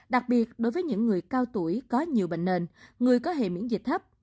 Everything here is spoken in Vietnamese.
đặc biệt đối với những người cao tuổi có nhiều bệnh nền người có hề miễn dịch thấp